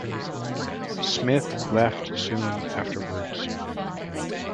Smith left soon afterwards.